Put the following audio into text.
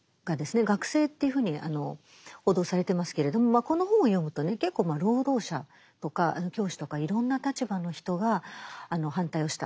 学生っていうふうに報道されてますけれどもこの本を読むとね結構労働者とか教師とかいろんな立場の人が反対をした。